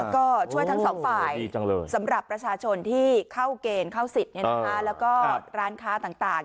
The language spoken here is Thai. ก็ช่วยทั้งสองฝ่ายสำหรับประชาชนที่เข้าเกณฑ์เข้าสิทธิ์แล้วก็ร้านค้าต่าง